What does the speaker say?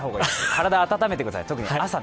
体温めてください。